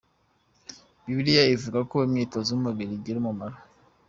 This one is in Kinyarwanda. Bibiliya ivuga ko “imyitozo y’umubiri igira umumaro.